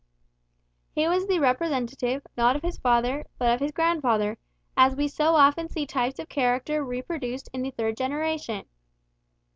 He was the representative, not of his father, but of his grandfather; as we so often see types of character reproduced in the third generation.